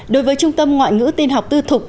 đối với trung tâm ngoại ngữ tin học tư thục